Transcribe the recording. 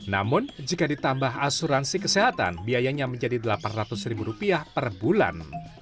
namun jika ditambah asuransi kesehatan biayanya menjadi rp delapan ratus ribu rupiah per bulan